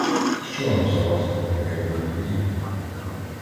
Що нам залазити в таке велике діло?